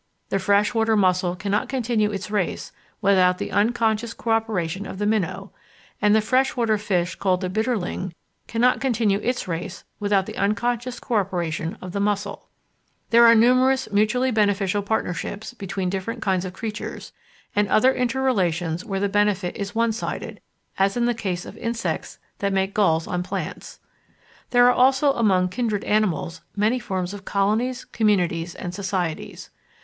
The freshwater mussel cannot continue its race without the unconscious co operation of the minnow, and the freshwater fish called the bitterling cannot continue its race without the unconscious co operation of the mussel. There are numerous mutually beneficial partnerships between different kinds of creatures, and other inter relations where the benefit is one sided, as in the case of insects that make galls on plants. There are also among kindred animals many forms of colonies, communities, and societies.